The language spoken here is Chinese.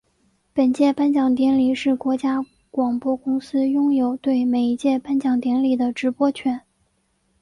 本届颁奖典礼是国家广播公司拥有对每一届颁奖典礼的直播权。